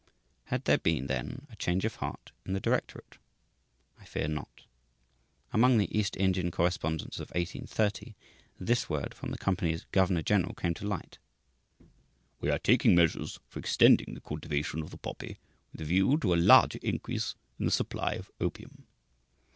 Had there been, then, a change of heart in the directorate? I fear not. Among the East Indian correspondence of 1830, this word from the company's governor general came to light: "We are taking measures for extending the cultivation of the poppy, with a view to a larger increase in the supply of opium."